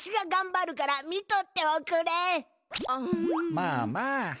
まあまあ。